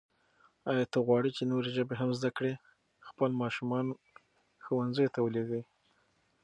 آیا ته غواړې چې نورې ژبې هم زده کړې؟ خپل ماشومان ښوونځیو ته ولېږئ.